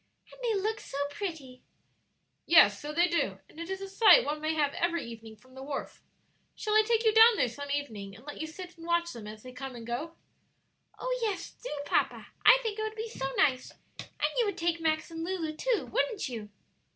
"And they look so pretty." "Yes, so they do; and it is a sight one may have every evening from the wharf. Shall I take you down there some evening and let you sit and watch them as they come and go?" "Oh, yes, do, papa; I think it would be so nice! And you would take Max and Lulu too, wouldn't you?"